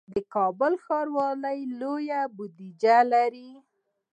د کابل ښاروالي لویه بودیجه لري